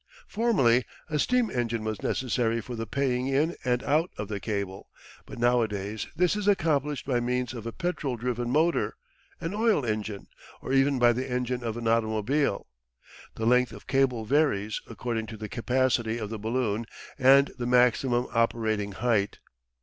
Formerly a steam engine was necessary for the paying in and out of the cable, but nowadays this is accomplished by means of a petrol driven motor, an oil engine, or even by the engine of an automobile. The length of cable varies according to the capacity of the balloon and the maximum operating height.